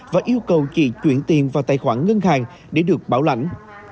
và yêu cầu chị chuyển tiền vào tài khoản ngân hàng để được bảo lãnh